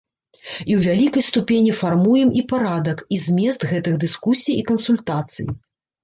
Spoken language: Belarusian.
І ў вялікай ступені фармуем і парадак, і змест гэтых дыскусій і кансультацый.